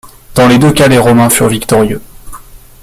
Dans les deux cas les Romains furent victorieux.